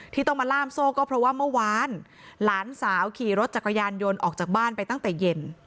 ที่ต้องมาล่ามโซ่ก็เพราะว่าเมื่อวานหลานสาวขี่รถจักรยานยนต์ออกจากบ้านไปตั้งแต่เย็น